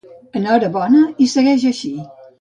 Enhorabona i segueix així.